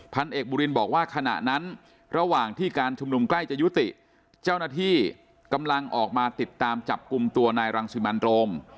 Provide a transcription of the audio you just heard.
พันเอกบุรินบอกว่าขณะนั้นระหว่างที่การชุมนุมใกล้จะยุติเจ้าหน้าที่กำลังออกมาติดตามจับกลุ่มตัวนายรังสิมันโรม